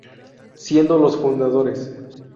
Siendo los fundadores.